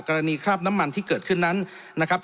คราบน้ำมันที่เกิดขึ้นนั้นนะครับ